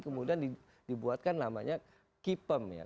kemudian dibuatkan namanya kipem ya